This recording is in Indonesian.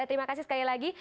terima kasih sekali lagi